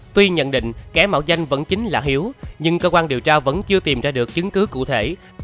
tuy nhận định kẻ mạo danh vẫn chính là hiếu nhưng cơ quan điều tra vẫn chưa tìm ra được chứng cứ cụ thể